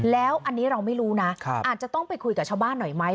แล้วอันนี้เราไม่รู้นะอาจจะต้องไปคุยกับชาวบ้านหน่อยไหม